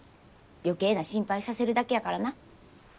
余計な心配させるだけやからな。